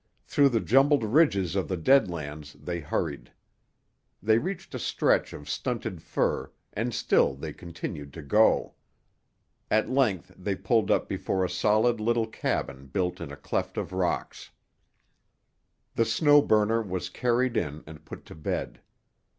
Through the jumbled ridges of the Dead Lands they hurried. They reached a stretch of stunted fir, and still they continued to go. At length they pulled up before a solid little cabin built in a cleft of rocks. The Snow Burner was carried in and put to bed.